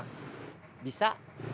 boleh minta tolong